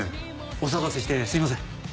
お騒がせしてすみません。